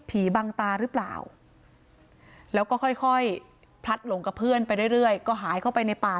บังตาหรือเปล่าแล้วก็ค่อยพลัดหลงกับเพื่อนไปเรื่อยก็หายเข้าไปในป่า